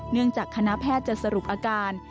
เนื่องจากคณะแพทย์จะสรุปอาการ